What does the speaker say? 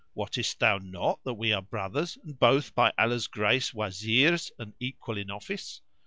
Wottest thou not that we are brothers and both by Allah's grace Wazirs and equal in office?